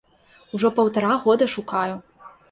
Ужо паўтара года шукаю.